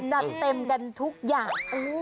จัดเต็มกันทุกอย่าง